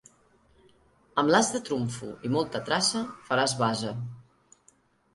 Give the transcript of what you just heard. Amb l'as de trumfo i molta traça, faràs basa.